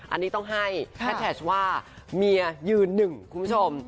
อันนี้ต้องให้แฮดแท็กว่าเมียยืนหนึ่งคุณผู้ชม